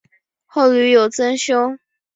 后屡有增修。